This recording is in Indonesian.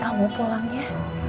kamu pulang ya